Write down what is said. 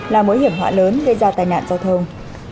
làm mỗi hiểm họa lớn gây ra tài nạn giao thông